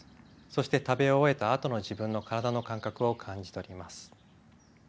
そして食べ終えたあとの自分の体の感覚を感じ取ります。